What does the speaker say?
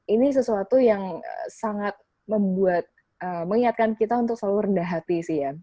ini sesuatu yang sangat membuat mengingatkan kita untuk selalu rendah hati sih ya